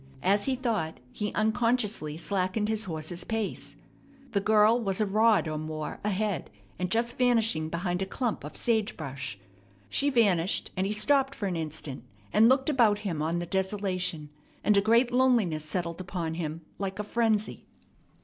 As he thought, he unconsciously slackened his horse's pace. The girl was a rod or more ahead, and just vanishing behind a clump of sage brush. She vanished, and he stopped for an instant, and looked about him on the desolation; and a great loneliness settled upon him like a frenzy.